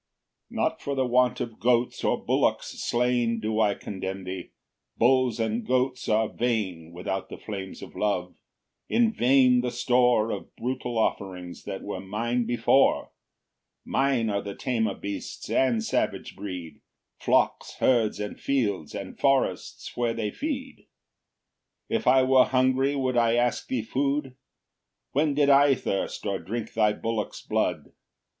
5 Not for the want of goats or bullocks slain Do I condemn thee; bulls and goats are vain Without the flames of love: in vain the store Of brutal offerings that were mine before; Mine are the tamer beasts and savage breed, Flocks, herds, and fields, and forests where they feed. 6 If I were hungry would I ask thee food? When did I thirst, or drink thy bullocks blood?